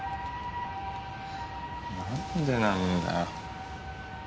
何でなんだよ。